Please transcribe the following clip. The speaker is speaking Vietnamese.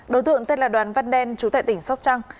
đối tượng tên là đoàn văn đen trú tại tỉnh sóc trăng